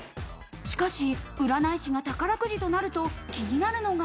しかし、占い師が宝くじとなると気になるのが。